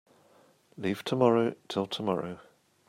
Leave tomorrow till tomorrow.